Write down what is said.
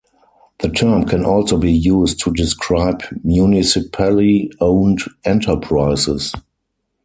The term can also be used to describe municipally-owned enterprises.